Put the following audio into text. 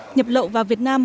nhập lộ vào việt nam